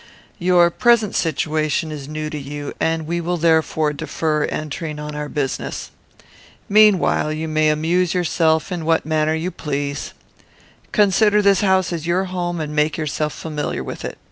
"Your present situation is new to you, and we will therefore defer entering on our business. Meanwhile you may amuse yourself in what manner you please. Consider this house as your home and make yourself familiar with it.